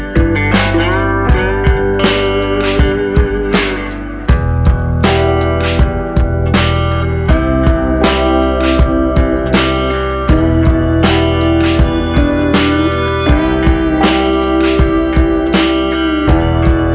gila pak comment itu keren